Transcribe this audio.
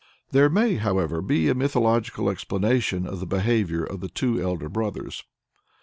There may, however, be a mythological explanation of the behavior of the two elder brothers.